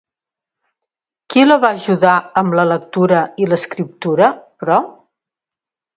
Qui la va ajudar amb la lectura i l'escriptura, però?